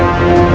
aku selalu lupa